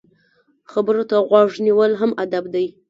خبرو ته غوږ نیول هم ادب دی.